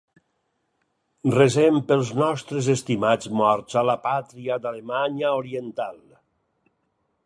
Resem pels nostres estimats morts a la pàtria d'Alemanya Oriental.